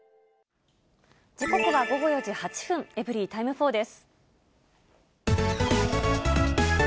時刻は午後４時８分、エブリィタイム４です。